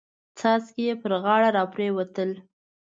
څاڅکي يې پر غاړه را پريوتل.